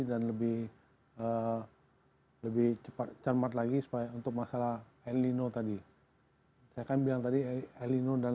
dan lebih lebih cepat cantik lagi supaya untuk masalah elino tadi saya bilang tadi elino dan